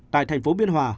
tại tp biên hòa